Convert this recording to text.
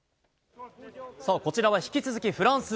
こちらは引き続きフランス。